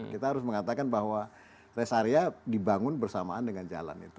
kita harus mengatakan bahwa rest area dibangun bersamaan dengan jalan itu